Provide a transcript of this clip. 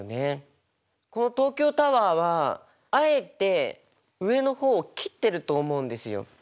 この東京タワーはあえて上の方を切ってると思うんですよ。